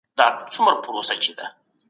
استازي بودیجه ولي په ځیر ګوري؟